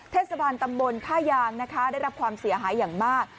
เทศบาลตำบลท่ายางนะคะได้รับความเสียหายอย่างมาก